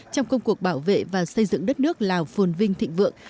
trong công cuộc bảo vệ và xây dựng đất nước lào phồn vinh thịnh vượng